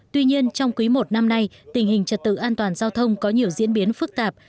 tuy nhiên trong quý i năm nay tình hình trật tự an toàn giao thông có nhiều diễn biến phức tạp